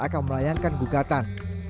akan melayangkan gugatan